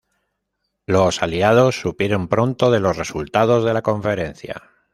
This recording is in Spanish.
Los Aliados supieron pronto de los resultados de la conferencia.